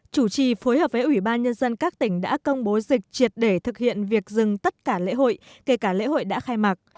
chủ trì phối hợp với ủy ban nhân dân các tỉnh đã công bố dịch triệt để thực hiện việc dừng tất cả lễ hội kể cả lễ hội đã khai mạc